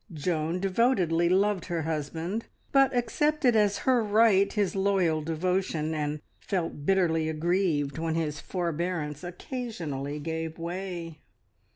Joan devotedly loved her husband, but accepted as her right his loyal devotion, and felt bitterly aggrieved when his forbearance occasionally gave way.